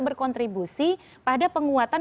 berkontribusi pada penguatan